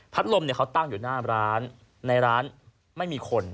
ลมเนี่ยเขาตั้งอยู่หน้าร้านในร้านไม่มีคน